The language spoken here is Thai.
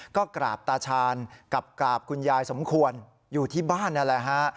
ก็กราบตาชาญกับกราบคุณยายสมควรอยู่ที่บ้านนั่นแหละฮะ